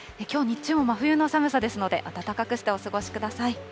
きょう日中も真冬の寒さですので、暖かくしてお過ごしください。